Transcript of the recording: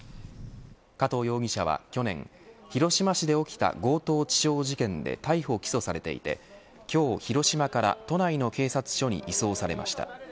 加藤容疑者は去年広島市で起きた強盗致傷事件で逮捕、起訴されていて今日、広島から都内の警察署に移送されました。